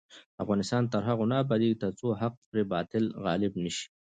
افغانستان تر هغو نه ابادیږي، ترڅو حق پر باطل غالب نشي.